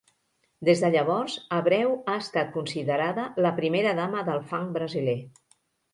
Des de llavors, Abreu ha estat considerada la primera dama del funk brasiler.